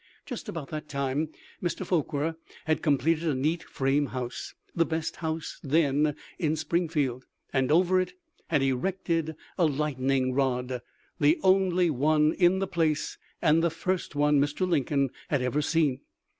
Just about that time Mr. Forquer had completed a neat frame house — the best house then in Springfield — and over it had erected a lightning rod, the only one in the place and the first one Mr. Lincoln had ever seen.